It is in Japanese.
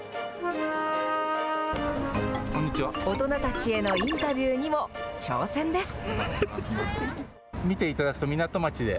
大人たちへのインタビューにも挑戦です。